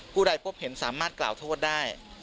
ผู้ใดพบเห็นสามารถกล่าวโทษได้